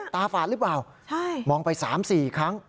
ตาฝาดรึเปล่ามองไป๓๔ครั้ง